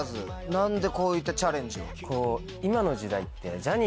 何でこういったチャレンジを？